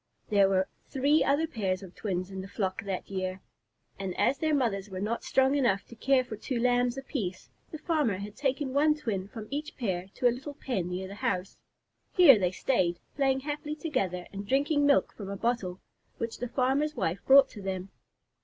There were three other pairs of twins in the flock that year, and as their mothers were not strong enough to care for two Lambs apiece, the farmer had taken one twin from each pair to a little pen near the house. Here they stayed, playing happily together, and drinking milk from a bottle which the farmer's wife brought to them.